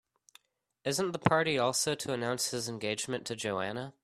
Isn't the party also to announce his engagement to Joanna?